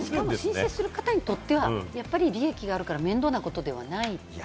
申請する方にとっては利益があるから面倒なことではない。